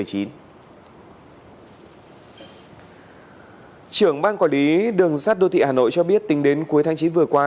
trưởng ban quản lý đường sắt đô thị hà nội cho biết tính đến cuối tháng chín vừa qua